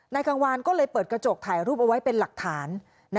กังวานก็เลยเปิดกระจกถ่ายรูปเอาไว้เป็นหลักฐาน